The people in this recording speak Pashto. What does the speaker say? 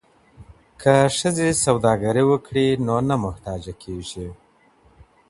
که ښځې سوداګري وکړي نو محتاجه نه کیږي.